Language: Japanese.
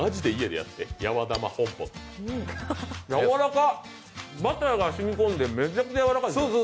やわらか、バターが染み込んで、めちゃくちゃやわらかいですね。